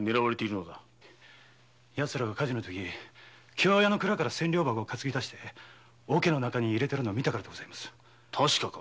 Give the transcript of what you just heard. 奴らが火事の時京屋の蔵から千両箱担ぎ出してオケの中に入れてるのを見たからです。